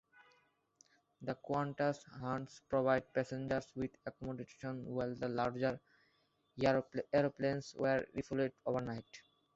The Qantas Huts provided passengers with accommodation while the larger aeroplanes were refuelled overnight.